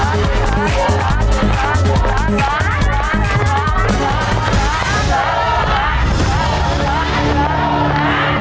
สวัสดีครับสวัสดีครับ